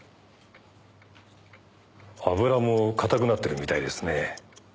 油も硬くなってるみたいですね。